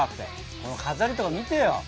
この飾りとか見てよ。